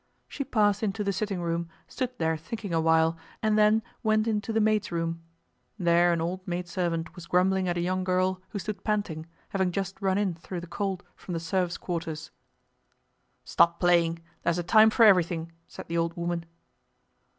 She passed into the sitting room, stood there thinking awhile, and then went into the maids' room. There an old maidservant was grumbling at a young girl who stood panting, having just run in through the cold from the serfs' quarters. "Stop playing—there's a time for everything," said the old woman.